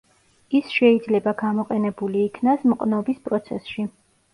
ის შეიძლება გამოყენებული იქნას მყნობის პროცესში.